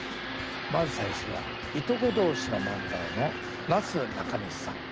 まず最初はいとこ同士の漫才のなすなかにしさん。